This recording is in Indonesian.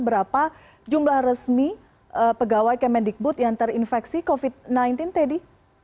berapa jumlah resmi pegawai kemendikbud yang terinfeksi covid sembilan belas teddy